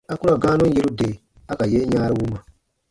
A ku ra gãanun yeru de a ka yen yãaru wuma.